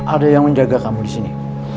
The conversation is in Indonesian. ada yang menjaga kamu disini